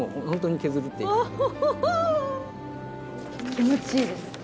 気持ちいいです。